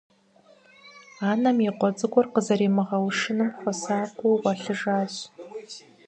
Анэм и къуэ цӀыкӀур къызэримыгъэушыным хуэсакъыу гъуэлъыжащ.